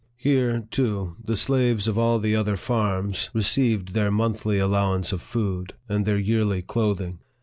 Here, too, the slaves of all the other farms received 10 NARRATIVE OF THE their monthly allowance of food, and their yearly clothing.